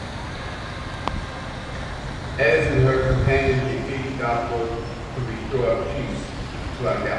Alis and her companions defeat Darkfalz and restore peace to Algol.